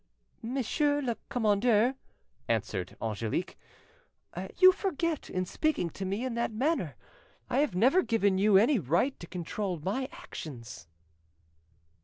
"Monsieur le commandeur," answered Angelique, "you forget, in speaking to me in that manner, I have never given you any right to control my actions."